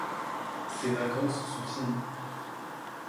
Ses vacances sont finies.